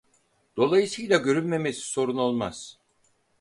Dolayısıyla görünmemesi sorun olmaz